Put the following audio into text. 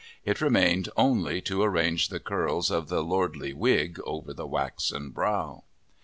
It remained only to arrange the curls of the lordly wig over the waxen brow.